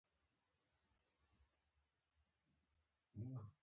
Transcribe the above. خشونتپاله فعالیتونه په یوه طالبي هدف ختمېږي.